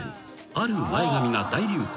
［ある前髪が大流行］